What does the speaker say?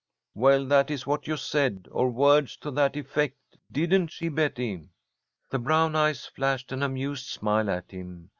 "Well, that is what you said, or words to that effect. Didn't she, Betty?" The brown eyes flashed an amused smile at him.